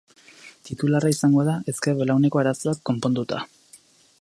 Titularra izango da, ezker belauneko arazoak konponduta.